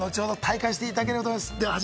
後ほど体感していただけると思います。